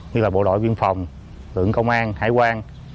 như là bộ đội biên phòng lượng công an hải quan